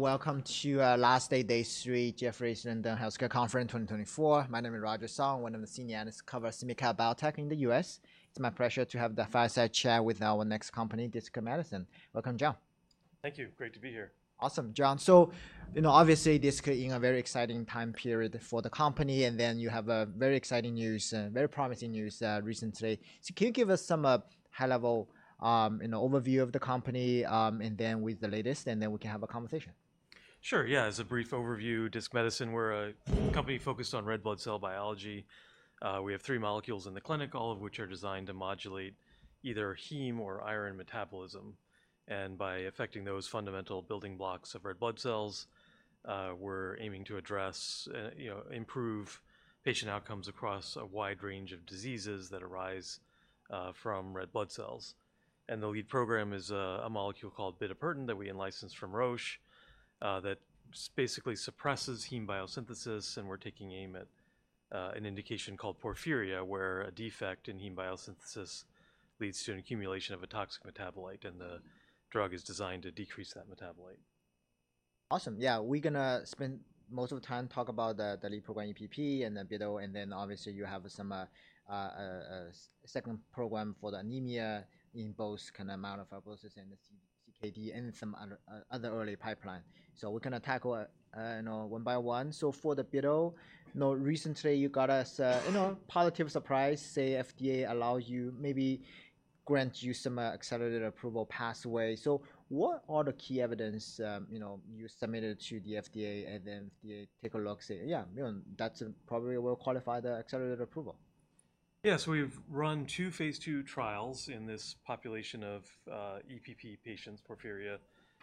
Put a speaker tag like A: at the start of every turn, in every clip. A: Welcome to our last day, day three, Jefferies London Healthcare Conference 2024. My name is Roger Song, one of the senior analysts covering EMEA biotech in the US. It's my pleasure to have the fireside chat with our next company, Disc Medicine. Welcome, John.
B: Thank you. Great to be here.
A: Awesome John, So you know, obviously this could be a very exciting time period for the company and then you have very exciting news, very promising news recently. So can you give us some high-level overview of the company and then with the latest, and then we can have a conversation?
B: Sure. Yeah, as a brief overview, Disc Medicine, we're a company focused on red blood cell biology. We have three molecules in the clinic, all of which are designed to modulate either heme or iron metabolism. By affecting those fundamental building blocks of red blood cells, we're aiming to address and improve patient outcomes across a wide range of diseases that arise from red blood cells. The lead program is a molecule called bitopertin that we licensed from Roche, that basically suppresses heme biosynthesis, and we're taking aim at an indication called porphyria, where a defect in heme biosynthesis leads to an accumulation of a toxic metabolite, and the drug is designed to decrease that metabolite.
A: Awesome. Yeah, we're going to spend most of the time talking about the lead program, EPP, and then obviously you have some second program for the anemia in both kind of myelofibrosis and CKD and some other early pipeline. So we're going to tackle one by one. So for the bitopertin, recently you got us a positive surprise, say FDA allows you maybe grant you some accelerated approval pathway. So what are the key evidence you submitted to the FDA and then FDA take a look and say, yeah, that's probably will qualify the accelerated approval?
B: Yes, we've run two phase 2 trials in this population of EPP patients, porphyria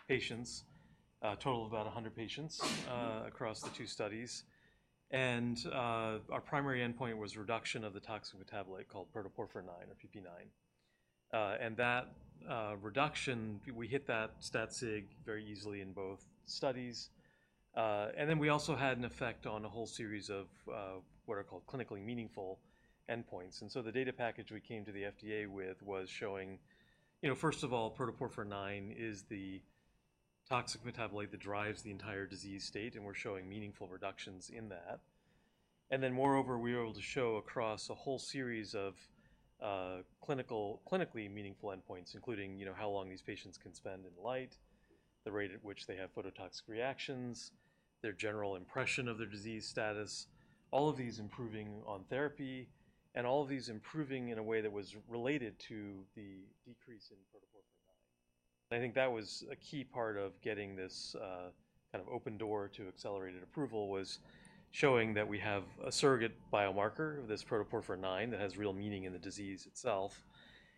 B: patients, a total of about 100 patients across the two studies, and our primary endpoint was reduction of the toxic metabolite called protoporphyrin IX or PPIX and that reduction, we hit that stat sig very easily in both studies, and then we also had an effect on a whole series of what are called clinically meaningful endpoints, and so the data package we came to the FDA with was showing, first of all, protoporphyrin IX is the toxic metabolite that drives the entire disease state, and we're showing meaningful reductions in that. Moreover, we were able to show across a whole series of clinically meaningful endpoints, including how long these patients can spend in light, the rate at which they have phototoxic reactions, their general impression of their disease status, all of these improving on therapy, and all of these improving in a way that was related to the decrease in protoporphyrin IX. I think that was a key part of getting this kind of open door to accelerated approval was showing that we have a surrogate biomarker of this protoporphyrin IX that has real meaning in the disease itself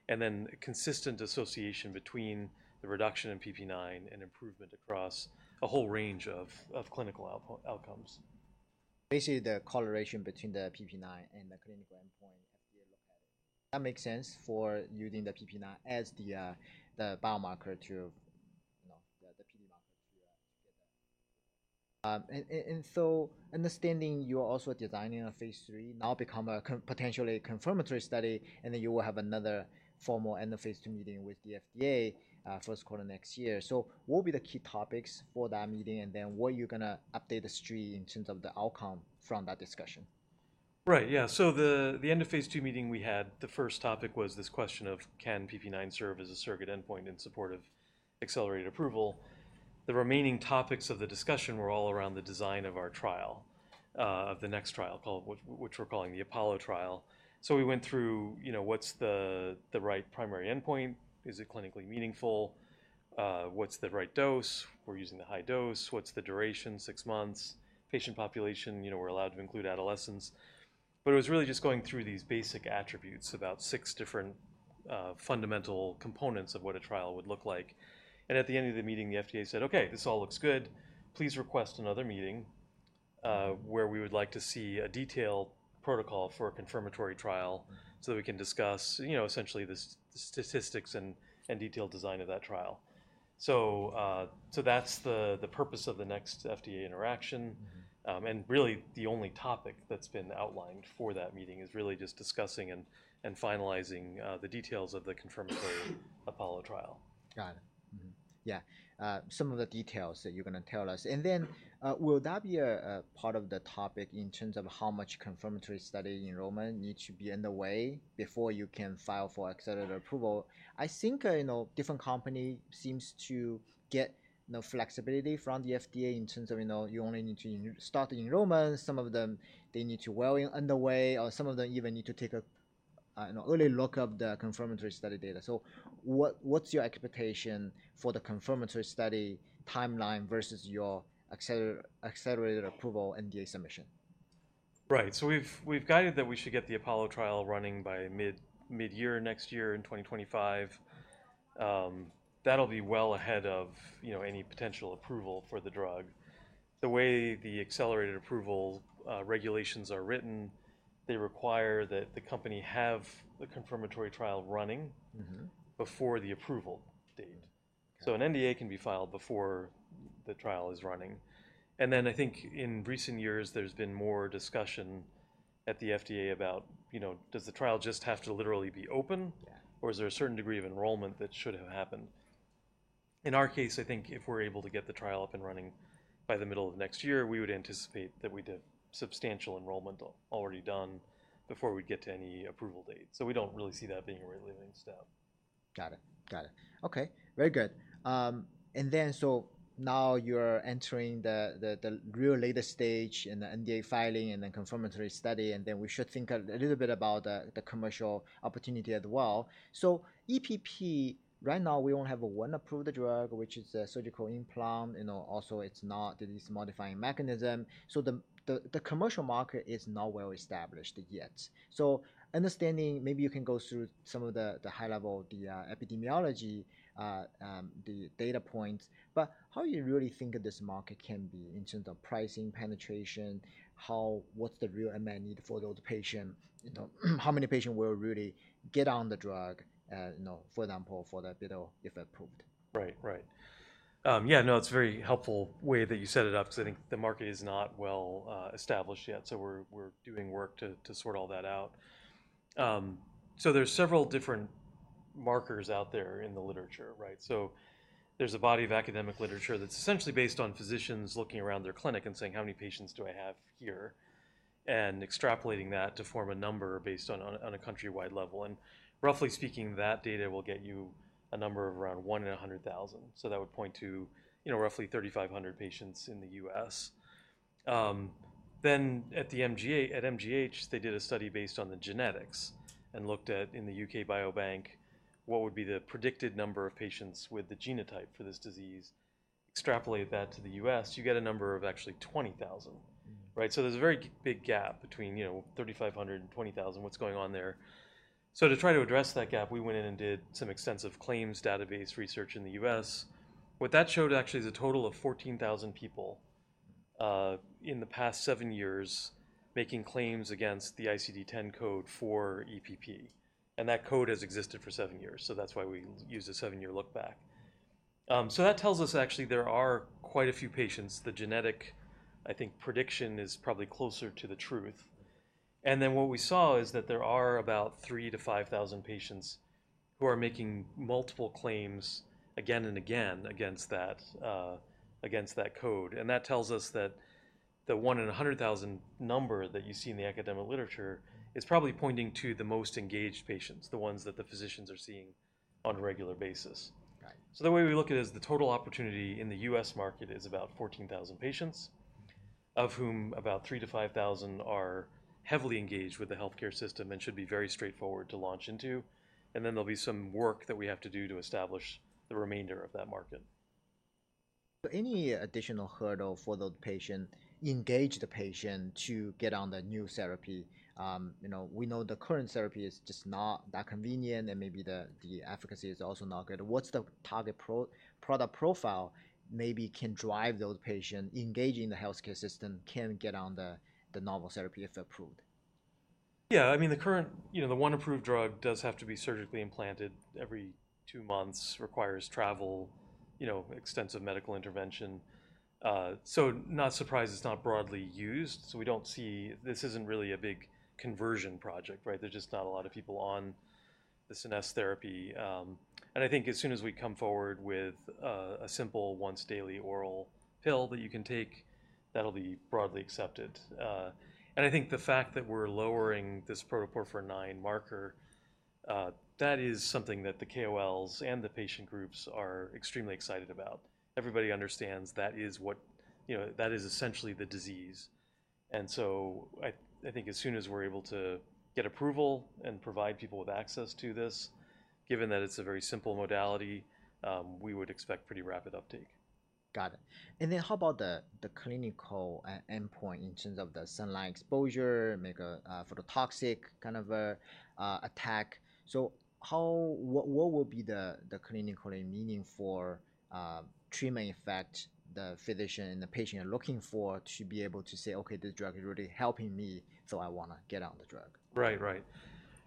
B: and then consistent association between the reduction in PP9 and improvement across a whole range of clinical outcomes.
A: Basically the correlation between the PPIX and the clinical endpoint, FDA look at it. That makes sense for using the PP IX as the biomarker to the PD marker to get the. And so understanding you are also designing a phase three, now become a potentially confirmatory study, and then you will have another formal end of phase two meeting with the FDA first quarter next year. So what will be the key topics for that meeting, and then what are you going to update the street in terms of the outcome from that discussion?
B: Right yeah! So the end of phase two meeting we had, the first topic was this question of can PpIX serve as a surrogate endpoint in support of accelerated approval. The remaining topics of the discussion were all around the design of our trial, of the next trial, which we're calling the Apollo trial. So we went through what's the right primary endpoint, is it clinically meaningful, what's the right dose, we're using the high dose, what's the duration, six months, patient population, we're allowed to include adolescents. But it was really just going through these basic attributes, about six different fundamental components of what a trial would look like. At the end of the meeting, the FDA said okay, this all looks good, please request another meeting where we would like to see a detailed protocol for a confirmatory trial so that we can discuss essentially the statistics and detailed design of that trial. That's the purpose of the next FDA interaction. Really the only topic that's been outlined for that meeting is really just discussing and finalizing the details of the confirmatory Apollo trial.
A: Got it. Yeah, some of the details that you're going to tell us. And then will that be a part of the topic in terms of how much confirmatory study enrollment needs to be underway before you can file for accelerated approval? I think different companies seem to get flexibility from the FDA in terms of you only need to start the enrollment, some of them they need to be well underway, or some of them even need to take an early look at the confirmatory study data. So what's your expectation for the confirmatory study timeline versus your accelerated approval NDA submission?
B: Right, so we've guided that we should get the Apollo trial running by mid-year next year in 2025. That'll be well ahead of any potential approval for the drug. The way the accelerated approval regulations are written, they require that the company have the confirmatory trial running before the approval date, so an NDA can be filed before the trial is running, and then I think in recent years, there's been more discussion at the FDA about does the trial just have to literally be open, or is there a certain degree of enrollment that should have happened. In our case, I think if we're able to get the trial up and running by the middle of next year, we would anticipate that we'd have substantial enrollment already done before we'd get to any approval date, so we don't really see that being a rate-limiting step.
A: Got it. Got it. Okay, very good. And then so now you're entering the really late stage and the NDA filing and the confirmatory study, and then we should think a little bit about the commercial opportunity as well. So EPP, right now we only have one approved drug, which is a surgical implant. Also, it's not disease-modifying mechanism. So the commercial market is not well established yet. So, understanding, maybe you can go through some of the high-level epidemiology, the data points, but how do you really think this market can be in terms of pricing, penetration, what's the real unmet need for those patients, how many patients will really get on the drug, for example, for bitopertin if approved?
B: Right, right. Yeah, no, it's a very helpful way that you set it up because I think the market is not well established yet. So we're doing work to sort all that out. So there's several different markers out there in the literature, right? So there's a body of academic literature that's essentially based on physicians looking around their clinic and saying, how many patients do I have here? And extrapolating that to form a number based on a countrywide level. And roughly speaking, that data will get you a number of around one in 100,000. So that would point to roughly 3,500 patients in the U.S. Then at MGH, they did a study based on the genetics and looked at in the UK Biobank, what would be the predicted number of patients with the genotype for this disease, extrapolate that to the U.S., you get a number of actually 20,000, right? So there's a very big gap between 3,500 and 20,000, what's going on there? So to try to address that gap, we went in and did some extensive claims database research in the U.S. What that showed actually is a total of 14,000 people in the past seven years making claims against the ICD-10 code for EPP. And that code has existed for seven years. So that's why we use a seven-year look back. So that tells us actually there are quite a few patients, the genetic, I think prediction is probably closer to the truth. Then what we saw is that there are about three to five thousand patients who are making multiple claims again and again against that code. That tells us that the one in 100,000 number that you see in the academic literature is probably pointing to the most engaged patients, the ones that the physicians are seeing on a regular basis. The way we look at it is the total opportunity in the US market is about 14,000 patients, of whom about three to five thousand are heavily engaged with the healthcare system and should be very straightforward to launch into. Then there'll be some work that we have to do to establish the remainder of that market.
A: So any additional hurdle for those patients, engaged patients to get on the new therapy? We know the current therapy is just not that convenient and maybe the efficacy is also not good. What's the target product profile maybe can drive those patients engaging the healthcare system can get on the novel therapy if approved?
B: Yeah I mean the current one, the one approved drug, does have to be surgically implanted every two months, requires travel, extensive medical intervention. So, not surprised, it's not broadly used. So, we don't see this isn't really a big conversion project, right? There's just not a lot of people on the Scenesse therapy. And I think as soon as we come forward with a simple once-daily oral pill that you can take, that'll be broadly accepted. And I think the fact that we're lowering this protoporphyrin IX marker, that is something that the KOLs and the patient groups are extremely excited about. Everybody understands that is what that is essentially the disease. And so I think as soon as we're able to get approval and provide people with access to this, given that it's a very simple modality, we would expect pretty rapid uptake.
A: Got it. And then how about the clinical endpoint in terms of the sunlight exposure, make a phototoxic kind of attack? So what will be the clinically meaningful treatment effect the physician and the patient are looking for to be able to say, okay, this drug is really helping me, so I want to get on the drug?
B: Right, right.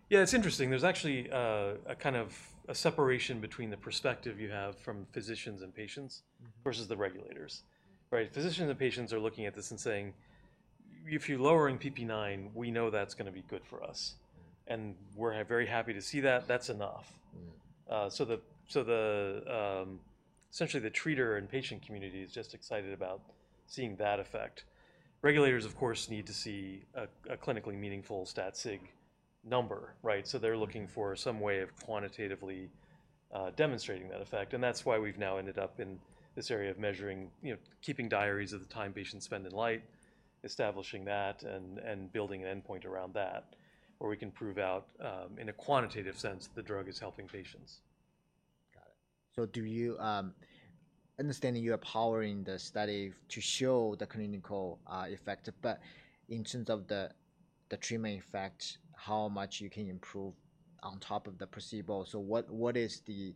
B: Yeah it's interesting. There's actually a kind of a separation between the perspective you have from physicians and patients versus the regulators, right? Physicians and patients are looking at this and saying, if you're lowering PpIX, we know that's going to be good for us. And we're very happy to see that, that's enough. So essentially the treater and patient community is just excited about seeing that effect. Regulators, of course, need to see a clinically meaningful stat sig number, right? So they're looking for some way of quantitatively demonstrating that effect. And that's why we've now ended up in this area of measuring, keeping diaries of the time patients spend in light, establishing that and building an endpoint around that, where we can prove out in a quantitative sense that the drug is helping patients.
A: Got it. So, understanding you are powering the study to show the clinical effect, but in terms of the treatment effect, how much you can improve on top of the placebo. So, what is the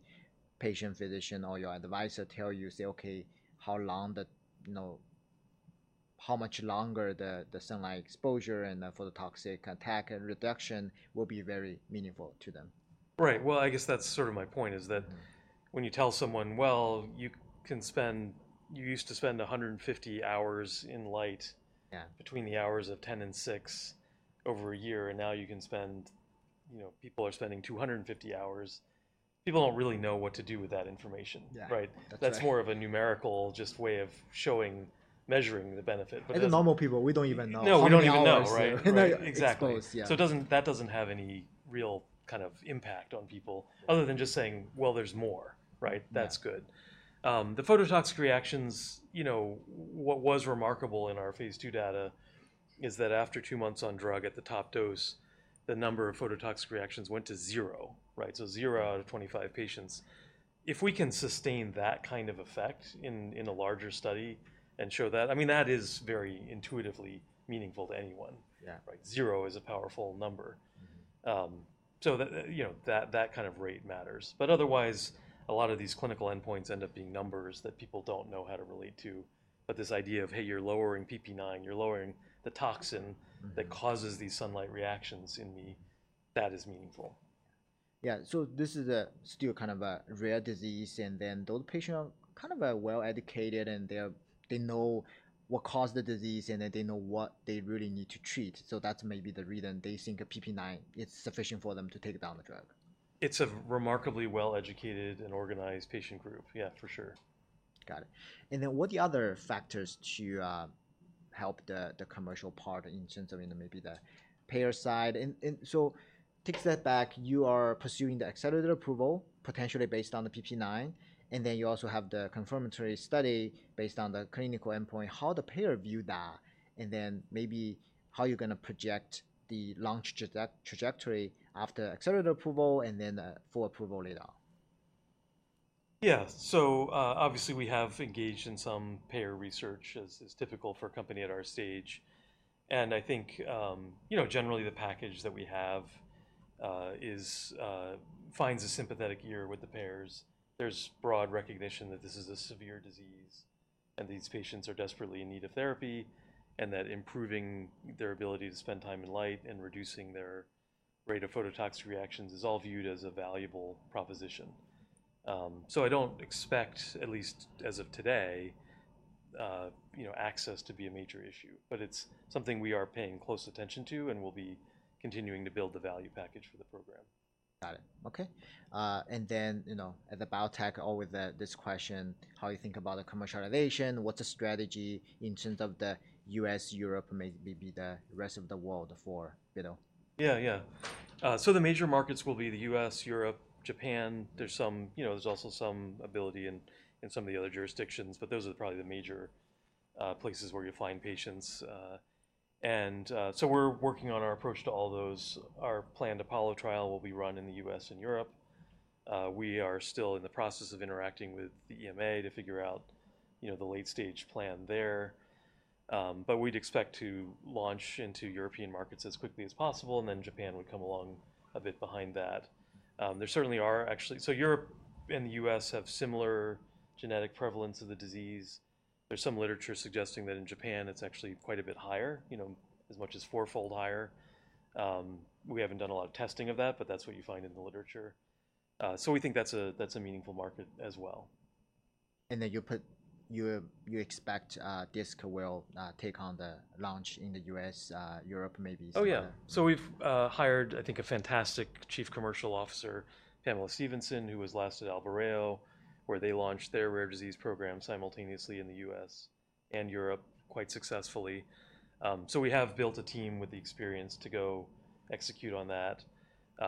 A: patient, physician, or your advisor tell you, say, okay, how much longer the sunlight exposure and the phototoxic attack and reduction will be very meaningful to them?
B: Right. Well, I guess that's sort of my point is that when you tell someone, well, you used to spend 150 hours in light between the hours of 10 and 6 over a year, and now you can spend, people are spending 250 hours. People don't really know what to do with that information, right? That's more of a numerical just way of showing, measuring the benefit.
A: As normal people, we don't even know.
B: No, we don't even know right? Exactly. So that doesn't have any real kind of impact on people other than just saying, well, there's more, right? That's good. The phototoxic reactions, what was remarkable in our phase two data is that after two months on drug at the top dose, the number of phototoxic reactions went to zero, right? So zero out of 25 patients. If we can sustain that kind of effect in a larger study and show that, I mean, that is very intuitively meaningful to anyone, right? Zero is a powerful number. So that kind of rate matters. But otherwise, a lot of these clinical endpoints end up being numbers that people don't know how to relate to. But this idea of, hey, you're lowering PP9, you're lowering the toxin that causes these sunlight reactions in me, that is meaningful.
A: Yeah. So this is still kind of a rare disease. And then those patients are kind of well educated and they know what caused the disease and they know what they really need to treat. So that's maybe the reason they think PpIX is sufficient for them to take the drug.
B: It's a remarkably well educated and organized patient group, yeah, for sure.
A: Got it. And then what are the other factors to help the commercial part in terms of maybe the payer side? And so take a step back, you are pursuing the accelerated approval potentially based on the PpIX, and then you also have the confirmatory study based on the clinical endpoint, how the payer view that, and then maybe how you're going to project the launch trajectory after accelerated approval and then full approval later on.
B: Yeah. So obviously we have engaged in some payer research as is typical for a company at our stage. And I think generally the package that we have finds a sympathetic ear with the payers. There's broad recognition that this is a severe disease and these patients are desperately in need of therapy and that improving their ability to spend time in light and reducing their rate of phototoxic reactions is all viewed as a valuable proposition. So I don't expect, at least as of today, access to be a major issue, but it's something we are paying close attention to and we'll be continuing to build the value package for the program.
A: Got it. Okay. And then at the biotech, always this question, how you think about the commercialization, what's the strategy in terms of the US, Europe, maybe the rest of the world for bitopertin?
B: Yeah, yeah. So the major markets will be the US, Europe, Japan. There's also some ability in some of the other jurisdictions, but those are probably the major places where you find patients. And so we're working on our approach to all those. Our planned Apollo trial will be run in the US and Europe. We are still in the process of interacting with the EMA to figure out the late stage plan there. But we'd expect to launch into European markets as quickly as possible. And then Japan would come along a bit behind that. There certainly are actually, so Europe and the US have similar genetic prevalence of the disease. There's some literature suggesting that in Japan, it's actually quite a bit higher, as much as four-fold higher. We haven't done a lot of testing of that, but that's what you find in the literature. So we think that's a meaningful market as well.
A: And then you expect this will take on the launch in the US, Europe maybe?
B: Oh yeah. So we've hired, I think, a fantastic Chief Commercial Officer, Pamela Stephenson, who was last at Albireo, where they launched their rare disease program simultaneously in the US and Europe quite successfully. So we have built a team with the experience to go execute on that.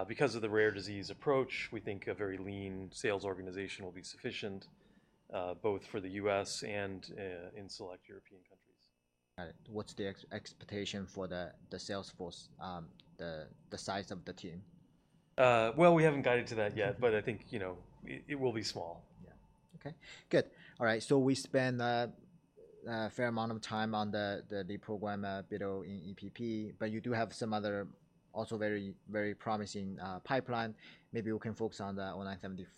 B: Because of the rare disease approach, we think a very lean sales organization will be sufficient both for the US and in select European countries.
A: Got it. What's the expectation for the sales force, the size of the team?
B: We haven't guided to that yet, but I think it will be small.
A: Yeah oka, good. All right. So we spend a fair amount of time on the lead program bitopertin in EPP, but you do have some other also very, very promising pipeline. Maybe we can focus on the DISC-0974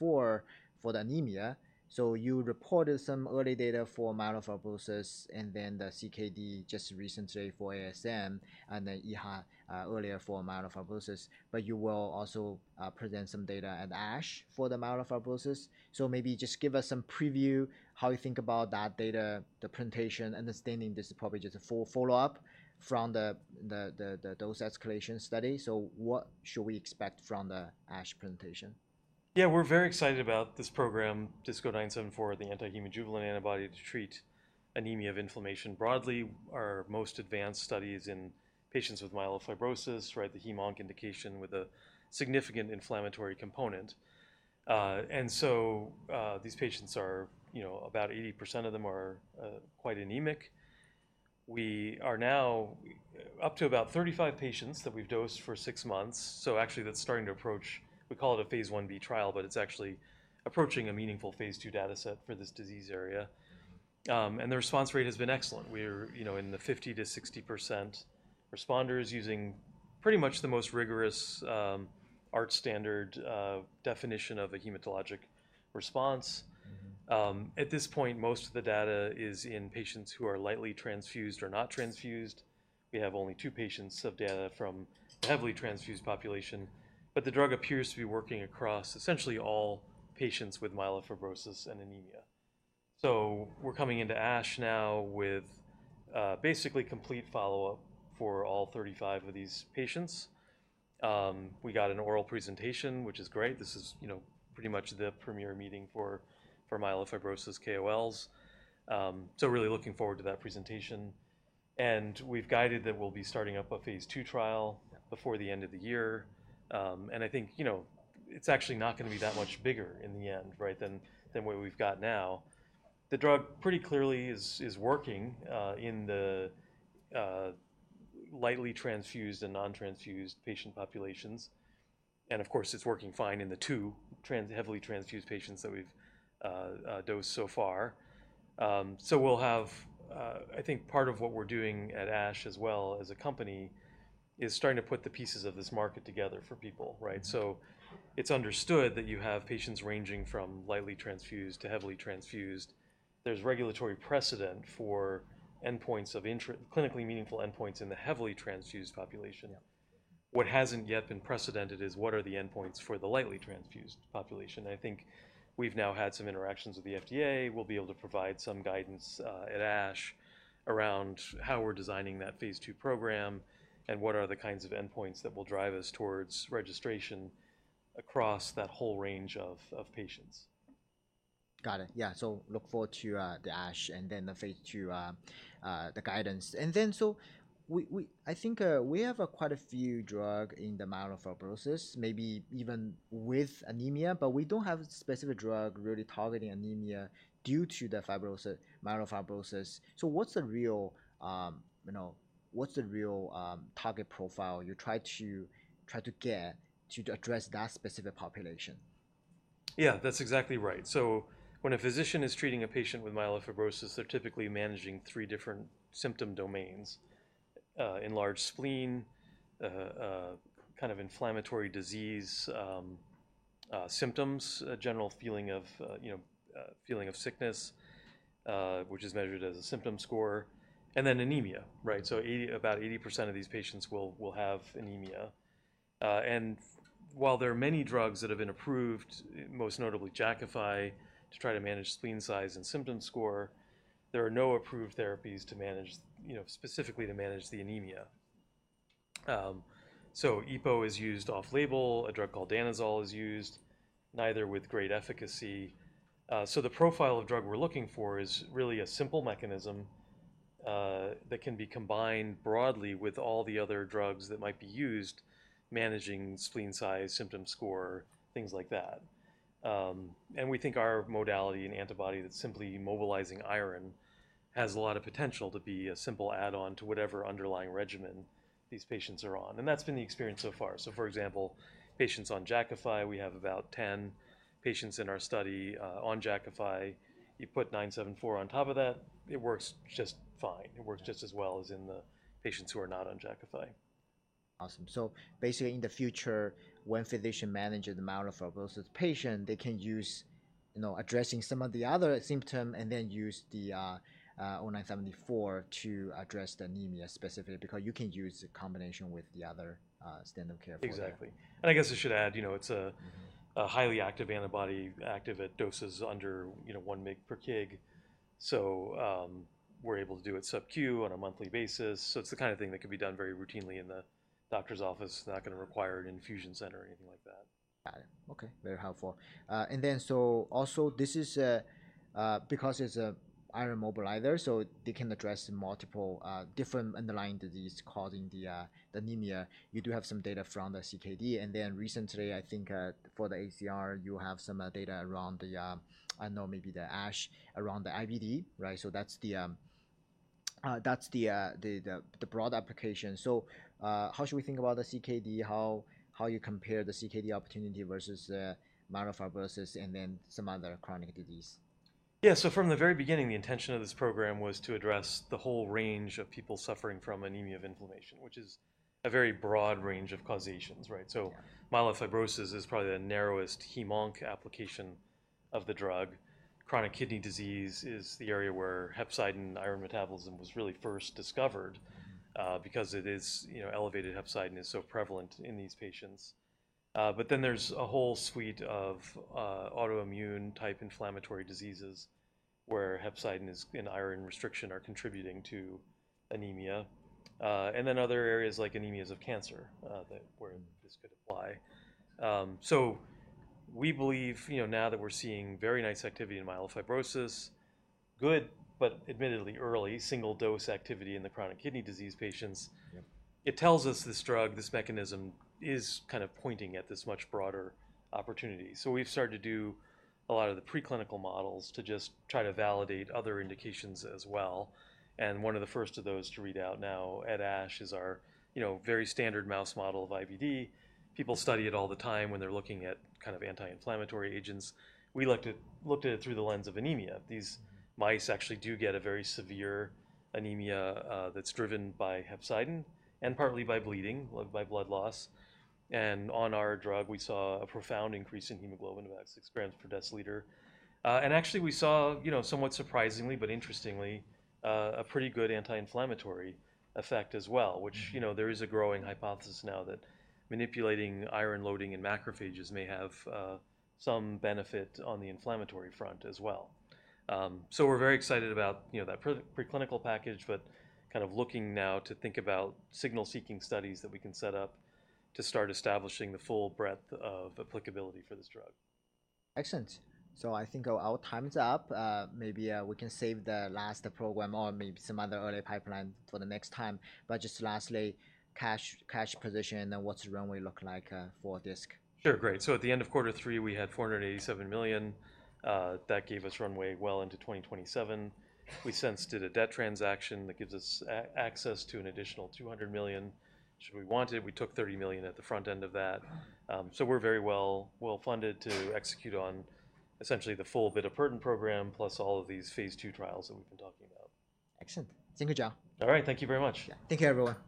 A: for the anemia. So you reported some early data for myelofibrosis and then the CKD just recently for ASH and the EHA earlier for myelofibrosis, but you will also present some data at ASH for the myelofibrosis. So maybe just give us some preview, how you think about that data, the presentation, understanding this is probably just a full follow-up from those escalation studies. So what should we expect from the ASH presentation?
B: Yeah, we're very excited about this program, DISC-0974, the anti-hemojuvelin antibody to treat anemia of inflammation. Broadly, our most advanced studies in patients with myelofibrosis, right, the HemOnc indication with a significant inflammatory component. So these patients, about 80% of them, are quite anemic. We are now up to about 35 patients that we've dosed for six months. So actually that's starting to approach. We call it a phase 1b trial, but it's actually approaching a meaningful phase 2 data set for this disease area. And the response rate has been excellent. We're in the 50%-60% responders using pretty much the most rigorous IWG standard definition of a hematologic response. At this point, most of the data is in patients who are lightly transfused or not transfused. We have only two patients' data from the heavily transfused population, but the drug appears to be working across essentially all patients with myelofibrosis and anemia. So we're coming into ASH now with basically complete follow-up for all 35 of these patients. We got an oral presentation, which is great. This is pretty much the premier meeting for myelofibrosis KOLs. So really looking forward to that presentation. And we've guided that we'll be starting up a phase two trial before the end of the year. And I think it's actually not going to be that much bigger in the end, right, than what we've got now. The drug pretty clearly is working in the lightly transfused and non-transfused patient populations. And of course, it's working fine in the two heavily transfused patients that we've dosed so far. We'll have, I think, part of what we're doing at ASH, as well as a company, is starting to put the pieces of this market together for people, right? It's understood that you have patients ranging from lightly transfused to heavily transfused. There's regulatory precedent for endpoints of clinically meaningful endpoints in the heavily transfused population. What hasn't yet been precedented is what are the endpoints for the lightly transfused population? I think we've now had some interactions with the FDA. We'll be able to provide some guidance at ASH around how we're designing that phase 2 program and what are the kinds of endpoints that will drive us towards registration across that whole range of patients.
A: Got it. Yeah, so look forward to the ASH and then the phase two guidance, and then so I think we have quite a few drugs in the myelofibrosis, maybe even with anemia, but we don't have a specific drug really targeting anemia due to the myelofibrosis, so what's the real target profile you try to get to address that specific population?
B: Yeah, that's exactly right. So when a physician is treating a patient with myelofibrosis, they're typically managing three different symptom domains: enlarged spleen, kind of inflammatory disease symptoms, a general feeling of sickness, which is measured as a symptom score, and then anemia, right? So about 80% of these patients will have anemia. And while there are many drugs that have been approved, most notably Jakafi to try to manage spleen size and symptom score, there are no approved therapies specifically to manage the anemia. So EPO is used off-label, a drug called Danazol is used, neither with great efficacy. So the profile of drug we're looking for is really a simple mechanism that can be combined broadly with all the other drugs that might be used managing spleen size, symptom score, things like that. And we think our modality and antibody that's simply mobilizing iron has a lot of potential to be a simple add-on to whatever underlying regimen these patients are on. And that's been the experience so far. So for example, patients on Jakafi, we have about 10 patients in our study on Jakafi. You put 974 on top of that, it works just fine. It works just as well as in the patients who are not on Jakafi.
A: Awesome. So basically in the future, when a physician manages the myelofibrosis patient, they can use addressing some of the other symptoms and then use the DISC-0974 to address the anemia specifically because you can use a combination with the other standard of care.
B: Exactly. And I guess I should add, it's a highly active antibody, active at doses under one mg per kg. So we're able to do it sub-Q on a monthly basis. So it's the kind of thing that can be done very routinely in the doctor's office. It's not going to require an infusion center or anything like that.
A: Got it. Okay. Very helpful. And then so also this is because it's an iron mobilizer, so they can address multiple different underlying diseases causing the anemia. You do have some data from the CKD. And then recently, I think for the ACR, you have some data around the, I know maybe the ASH around the IBD, right? So that's the broad application. So how should we think about the CKD? How you compare the CKD opportunity versus myelofibrosis and then some other chronic disease?
B: Yeah. So from the very beginning, the intention of this program was to address the whole range of people suffering from anemia of inflammation, which is a very broad range of causes, right? So myelofibrosis is probably the narrowest hem/onc application of the drug. Chronic kidney disease is the area where hepcidin and iron metabolism was really first discovered because it is elevated hepcidin and is so prevalent in these patients. But then there's a whole suite of autoimmune type inflammatory diseases where hepcidin and iron restriction are contributing to anemia. And then other areas like anemias of cancer where this could apply. So we believe now that we're seeing very nice activity in myelofibrosis, good, but admittedly early single dose activity in the chronic kidney disease patients, it tells us this drug, this mechanism is kind of pointing at this much broader opportunity. We've started to do a lot of the preclinical models to just try to validate other indications as well. And one of the first of those to read out now at ASH is our very standard mouse model of IBD. People study it all the time when they're looking at kind of anti-inflammatory agents. We looked at it through the lens of anemia. These mice actually do get a very severe anemia that's driven by hepcidin and partly by bleeding, by blood loss. And on our drug, we saw a profound increase in hemoglobin to 15 grams per deciliter. And actually we saw somewhat surprisingly, but interestingly, a pretty good anti-inflammatory effect as well, which there is a growing hypothesis now that manipulating iron loading in macrophages may have some benefit on the inflammatory front as well. So we're very excited about that preclinical package, but kind of looking now to think about signal seeking studies that we can set up to start establishing the full breadth of applicability for this drug.
A: Excellent. So I think our time is up. Maybe we can save the last program or maybe some other early pipeline for the next time, but just lastly, cash position and then what's the runway look like for DISC?
B: Sure. Great. So at the end of quarter three, we had $487 million. That gave us runway well into 2027. We since did a debt transaction that gives us access to an additional $200 million should we want it. We took $30 million at the front end of that. So we're very well funded to execute on essentially the full bitopertin program plus all of these phase two trials that we've been talking about.
A: Excellent. Thank you, John.
B: All right. Thank you very much.
A: Yeah. Thank you, everyone.